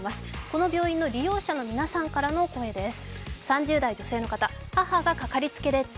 この病院の利用者の皆さんの声です。